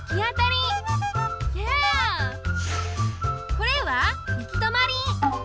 これは行き止まり。